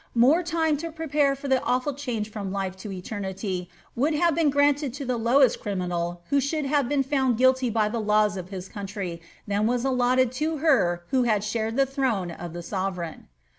More lime to prepare for the awful change from life to eternity would hava been granted to the lowest criminal who should have been found guilty by tlie laws of his country than was allotted to lier who liad shared iha throne of the sovereign.